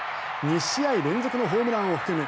２試合連続のホームランを含む